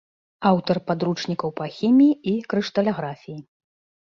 Аўтар падручнікаў па хіміі і крышталяграфіі.